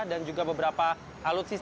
dan juga beberapa alutsisnya